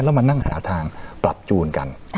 แล้วมานั่งหาทางปรับจูนกัน